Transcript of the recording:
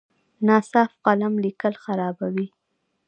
ناصاف قلم لیکل خرابوي.